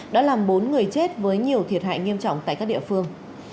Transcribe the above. đã làm bốn người chết với nhiều thiệt hại nghiêm trọng tại các địa phương